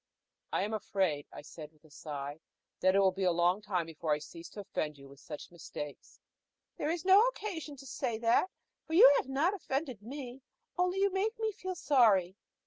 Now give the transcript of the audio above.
"I am afraid," I said, with a sigh, "that it will be a long time before I cease to offend you with such mistakes." "There is no occasion to say that, for you have not offended me, only you make me feel sorry.